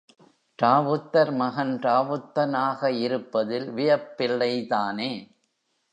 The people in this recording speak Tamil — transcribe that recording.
ராவுத்தர் மகன் ராவுத்தனாக இருப்பதில் வியப்பில்லைதானே!